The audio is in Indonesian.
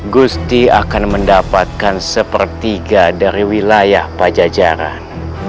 gusti akan mendapatkan sepertiga dari wilayah pajajaran